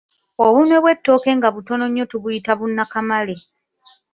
Obunwe bw'ettooke nga butono nnyo tubuyita bunakamale